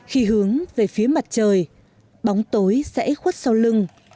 khi hướng về phía mặt trời bóng tối sẽ khuất sau lưng